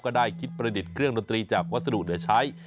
ก็ได้คิดประดิษฐ์เครื่องดนตรีจากวัสดุเหลือใช้